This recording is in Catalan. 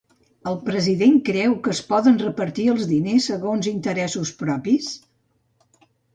El president creu que es poden repartir els diners segons interessos propis?